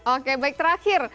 oke baik terakhir